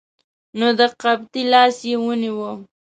نو د قبطي لاس یې ونیوه.